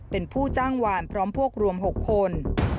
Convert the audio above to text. เป็นผู้จ้างหวานพร้อมพวกรวม๖คน